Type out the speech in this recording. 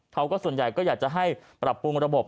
เขาก็ส่วนใหญ่ก็อยากจะให้ปรับปรุงระบบ